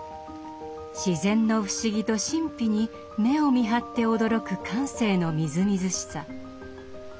自然の不思議と神秘に目をみはって驚く感性のみずみずしさ。